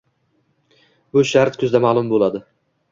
Bu shart kuzda ma’lum bo‘ladi